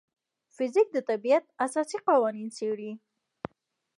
فزیک د طبیعت اساسي قوانین څېړي.